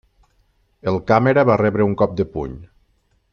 El càmera va rebre un cop de puny.